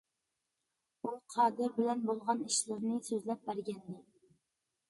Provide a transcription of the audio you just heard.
ئۇ قادىر بىلەن بولغان ئىشلىرىنى سۆزلەپ بەرگەنىدى.